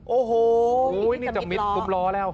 โอ้โหนี่จะมิดตุ๊บล้อแล้ว